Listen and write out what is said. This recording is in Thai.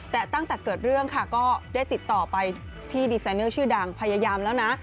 แต่ตั้งแต่เกิดเรื่องค่ะก็ได้ติดต่อไปที่ดีไซเนอร์ชื่อดังพยายามแล้วนะ